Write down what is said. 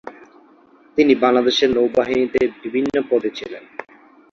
তিনি বাংলাদেশ নৌবাহিনীতে বিভিন্ন পদে ছিলেন।